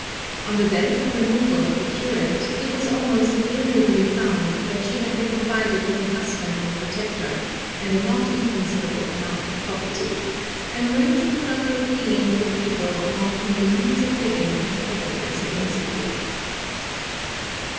On the death or removal of the curate, it was almost invariably found that she had been provided with a husband or protector and a not inconsiderable amount of property an arrangement rather appealing to a people among whom the means of living have ever been so insecure.